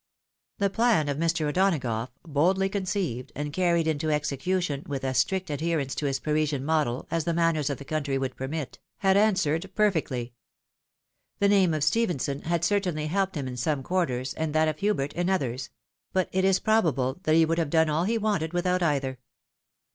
The plan of Mr. O'Donagough, boldly conceived, and carried into execution with as strict adherence to his Parisian model as the manners of the country would permit, had answered per fectly. The name of Stephenson had certainly helped him in some quarters, and that of Hubert in others ; but it is probable that he would have done aU he wanted without either.